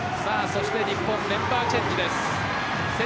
日本、メンバーチェンジです。